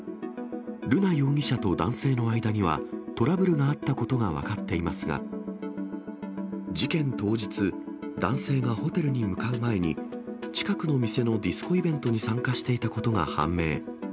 瑠奈容疑者と男性の間には、トラブルがあったことが分かっていますが、事件当日、男性がホテルに向かう前に、近くの店のディスコイベントに参加していたことが判明。